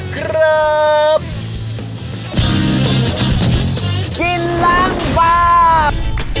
กินล้างปลา